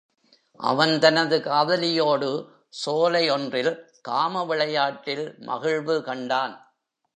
அவன் தன் காதலியோடு, சோலை ஒன்றில் காம விளையாட்டில் மகிழ்வு கண்டான்.